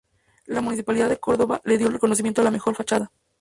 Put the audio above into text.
La Municipalidad de Córdoba le dio el reconocimiento a la mejor fachada.